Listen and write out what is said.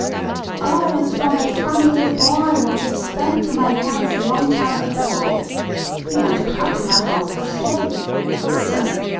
"Oh! it's from that funny lil' boy what gave spank to my hands long time ago. He want to come to my house for stay. Listen."